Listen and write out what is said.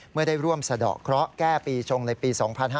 เมื่อได้ร่วมสะดอกเคราะห์แก้ปีชงในปี๒๕๕๙